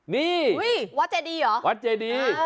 นี่วัดเจดี